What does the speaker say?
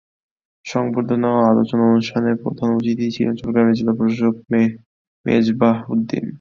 সংবর্ধনা ও আলোচনা অনুষ্ঠানে প্রধান অতিথি ছিলেন চট্টগ্রামের জেলা প্রশাসক মেজবাহ উদ্দিন।